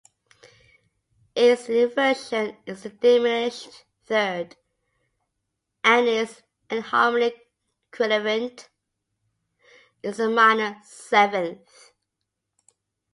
Its inversion is the diminished third, and its enharmonic equivalent is the minor seventh.